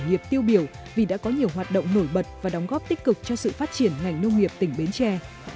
nghiệp tiêu biểu vì đã có nhiều hoạt động nổi bật và đóng góp tích cực cho sự phát triển ngành nông nghiệp tỉnh bến tre